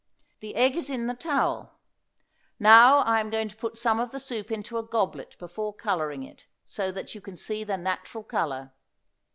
The egg is in the towel. Now, I am going to put some of the soup into a goblet before coloring it, so that you can see the natural color.